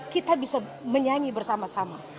kita bisa menyanyi bersama sama